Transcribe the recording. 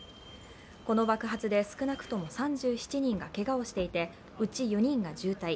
この爆発で少なくとも３７人がけがをしていてうち４人が重体。